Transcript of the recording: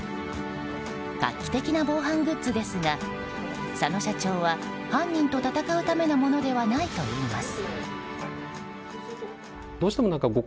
画期的な防犯グッズですが佐野社長は犯人と戦うためのものではないといいます。